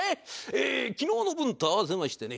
昨日の分と合わせましてね